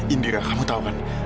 indira kamu tau kan